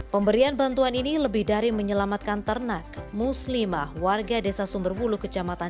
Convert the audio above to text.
pemberian bantuan ini lebih dari menyelamatkan ternak muslimah warga desa sumberwulu kecamatan